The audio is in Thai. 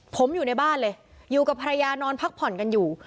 ผมอยู่ในบ้านเลยอยู่กับภรรยานอนพักผ่อนกันอยู่